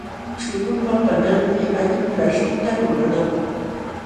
Chuqllupa panqanmi allin laśhtita lulanapaq.